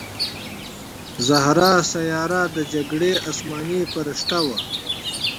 زهره سیاره د جګړې اسماني پرښته وه